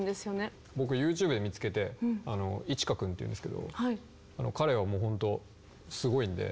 僕ＹｏｕＴｕｂｅで見つけてｉｃｈｉｋａ君っていうんですけど彼はもうほんとすごいんで。